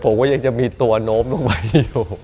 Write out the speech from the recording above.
ผมก็ยังจะมีตัวโน้มลงไปอยู่